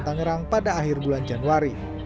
yang terlalu banyak diperang pada akhir bulan januari